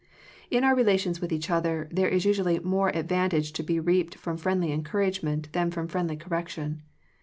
In our relations with each other, there is usually more advantage to be reaped from friendly encouragement, than from friendly correction.